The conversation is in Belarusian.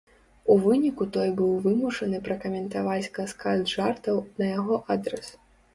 У выніку той быў вымушаны пракаментаваць каскад жартаў на яго адрас.